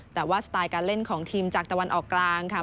แต่ว่าสไตล์การเล่นของทีมจากตะวันออกกลางค่ะ